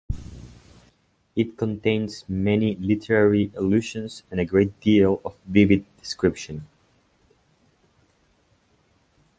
It contains many literary allusions and a great deal of vivid description.